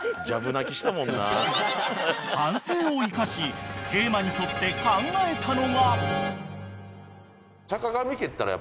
［反省を生かしテーマに沿って考えたのが］